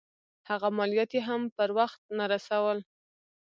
هغه مالیات یې هم پر وخت نه رسول.